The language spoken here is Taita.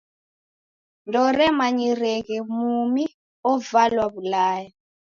Ndooremanyireghe mumi ovailwa W'ulaya.